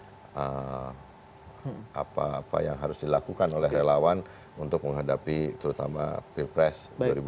dan kemudian juga apa yang harus dilakukan oleh relawan untuk menghadapi terutama pilpres dua ribu sembilan belas